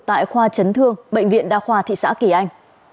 tại khoa chấn thương bệnh viện đa khoa thị xã kỳ anh